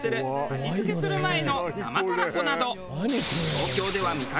味付けする前の生タラコなど。